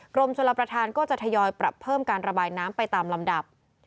กรมชลประธานก็จะทยอยปรับเพิ่มการระบายน้ำไปตามลำดับ